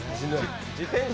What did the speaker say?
自転車